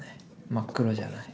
真っ黒じゃない。